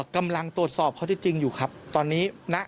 กำลังตรวจสอบข้อที่จริงอยู่ครับตอนนี้ณ